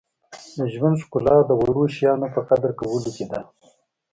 • د ژوند ښکلا د وړو شیانو په قدر کولو کې ده.